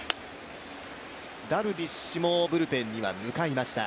ダルビッシュもブルペンには向かいました。